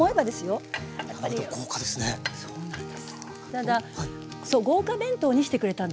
ただそう豪華弁当にしてくれたんですよ。